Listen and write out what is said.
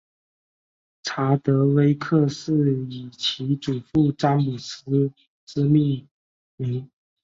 查德威克是以其祖父詹姆斯之名命名。